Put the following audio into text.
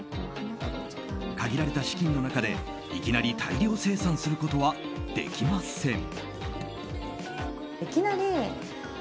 限られた資金の中で、いきなり大量生産することはできません。